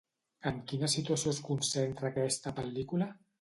En quina situació es concentra aquesta pel·lícula?